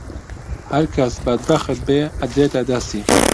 هەرکەس بەدبەخت بێ ئەدرێتە دەستی